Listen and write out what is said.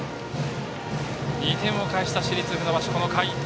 ２点を返した市立船橋この回。